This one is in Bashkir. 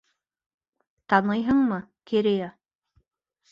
Таныйһыңмы, Керея?